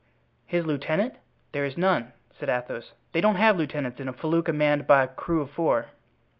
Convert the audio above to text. "His lieutenant? There is none," said Athos. "They don't have lieutenants in a felucca manned by a crew of four."